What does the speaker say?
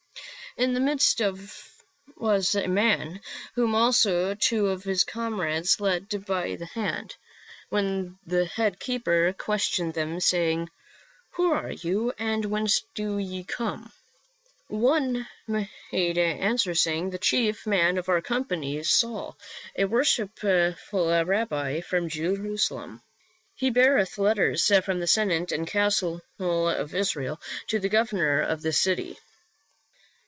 In the midst was a man, whom also two of his comrades led by the hand. When the head keeper questioned them, say ing, ' Who are you and whence do ye come ?' One made answer, saying, • The chief man of our company is Saul, a worshipful rabbi from Jerusalem. He bear eth letters from the Senate and Council of Israel to the governor of this city.'